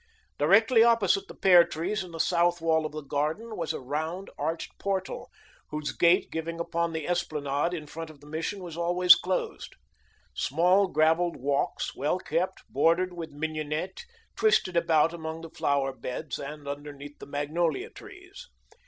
Directly opposite the pear trees, in the south wall of the garden, was a round, arched portal, whose gate giving upon the esplanade in front of the Mission was always closed. Small gravelled walks, well kept, bordered with mignonette, twisted about among the flower beds, and underneath the magnolia trees.